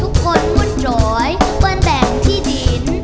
ทุกคนมนจอยเผื่อแดงที่ดิน